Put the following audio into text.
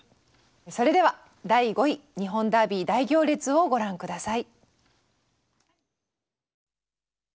それでは第５位「日本ダービー大行列」をご覧下さい。